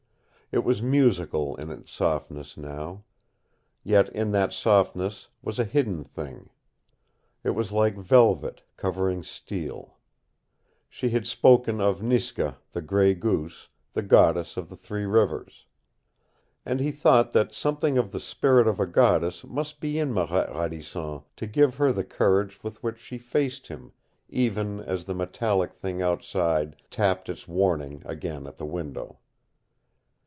It was musical in its softness now. Yet in that softness was a hidden thing. It was like velvet covering steel. She had spoken of Niska, the Gray Goose, the goddess of the Three Rivers. And he thought that something of the spirit of a goddess must be in Marette Radisson to give her the courage with which she faced him, even as the metallic thing outside tapped its warning again at the window.